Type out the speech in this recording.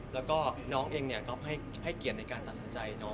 แล้วก็น้องเองก็ให้เกียรติในการตามสังใจน้อง